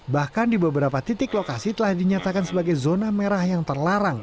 bahkan di beberapa titik lokasi telah dinyatakan sebagai zona merah yang terlarang